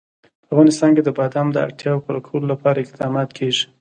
په افغانستان کې د بادام د اړتیاوو پوره کولو لپاره اقدامات کېږي.